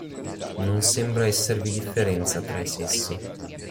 Non sembra esservi differenza tra i sessi.